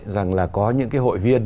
rằng là có những cái hội viên